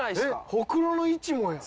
ほくろの位置もやん。